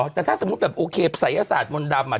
แต่ถ้าสมมุติแบบโอเคศัยศาสตร์มนต์ดำอ่ะ